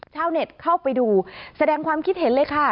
ชาวเน็ตเข้าไปดูแสดงความคิดเห็นเลยค่ะ